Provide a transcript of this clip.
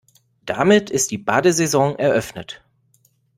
Damit ist die Badesaison eröffnet.